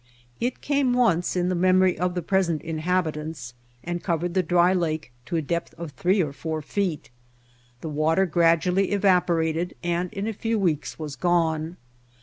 It came once in the memory of the present inhabitants, and covered the dry lake to a depth of three or four feet. The water gradually evaporated and in a few weeks was gone.